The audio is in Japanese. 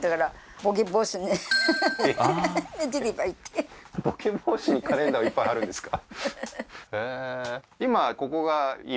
いってボケ防止にカレンダーをいっぱい貼るんですか？